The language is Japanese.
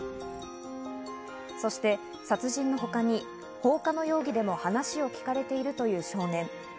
そして殺人のほかに放火の容疑でも話を聞かれているという少年。